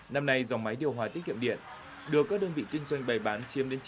năm nay dòng máy điều hòa tiết kiệm điện được các đơn vị kinh doanh bày bán chiếm đến chín